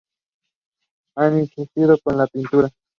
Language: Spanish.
Ha incursionado en la pintura.